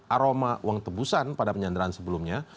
aroma uang tebusan pada penyanderaan sebelumnya